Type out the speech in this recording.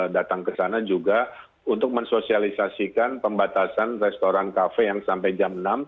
datang ke sana juga untuk mensosialisasikan pembatasan restoran kafe yang sampai jam enam